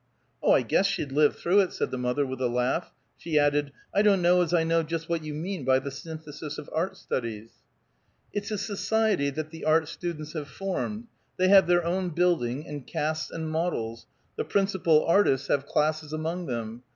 "Oh, I guess she'd live through it," said the mother with a laugh. She added, "I don't know as I know just what you mean by the Synthesis of Art Studies." "It's a society that the art students have formed. They have their own building, and casts, and models; the principal artists have classes among them.